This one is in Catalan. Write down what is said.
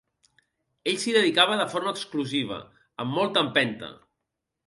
Ell s’hi dedicava de forma exclusiva, amb molta empenta.